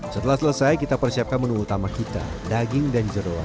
setelah selesai kita persiapkan menu utama kita daging dan jeruk